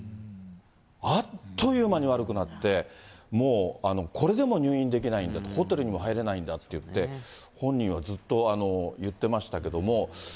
あっという間に悪くなって、もう、これでも入院できないんだと、ホテルにも入れないんだっていって、本人はずっと言ってましたけども。